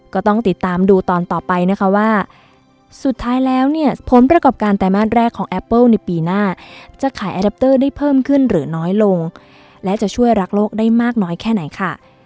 ก็ต้องติดตามดูตอนต่อไปนะคะว่าสุดท้ายแล้วเนี่ยผลประกอบการไตรมาสแรกของแอปเปิ้ลในปีหน้าจะขายแอดัปเตอร์ได้เพิ่มขึ้นหรือน้อยลงและจะช่วยรักโลกได้มากน้อยแค่ไหนค่ะ